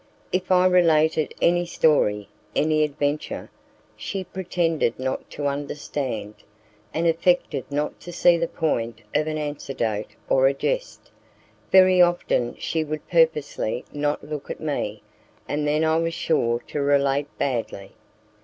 If I related any story, any adventure, she pretended not to understand, and affected not to see the point of an anecdote or a jest; very often she would purposely not look at me, and then I was sure to relate badly.